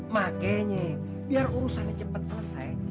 makanya biar urusannya cepat selesai